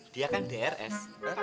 dia kan drs